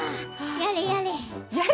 やれやれ。